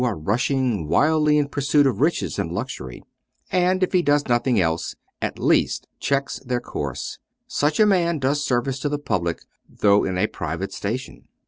are rushing wildly in pursuit of riches and luxury, and, if he does nothing else, at least checks their course — such a man does service to the public though in a private station.